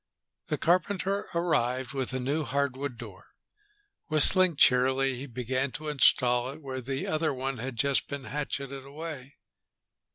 The carpenter arrived with a new hardwood door. Whistling cheerily, he began to install it where the other one had just been hatcheted away.